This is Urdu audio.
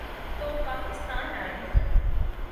تو پاکستان آئیں۔